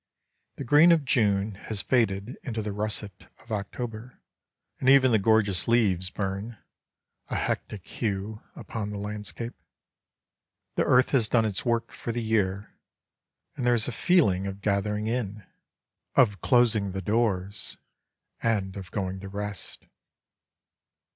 The green of June has faded into the russet of October, and even the gorgeous leaves burn, a hectic hue, upon the landscape. The earth has done its work for the year, and there is a feeling of gathering in, of closing the doors, and of going to rest.